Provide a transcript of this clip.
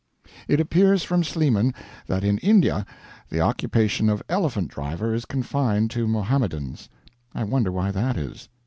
It appears from Sleeman that in India the occupation of elephant driver is confined to Mohammedans. I wonder why that is.